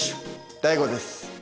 ＤＡＩＧＯです。